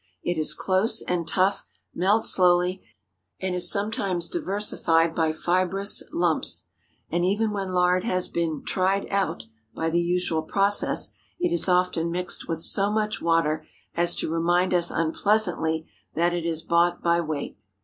It is close and tough, melts slowly, and is sometimes diversified by fibrous lumps. And even when lard has been "tried out" by the usual process, it is often mixed with so much water as to remind us unpleasantly that it is bought by weight.